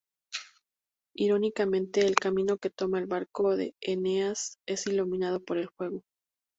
Irónicamente, el camino que toma el barco de Eneas es iluminado por el fuego.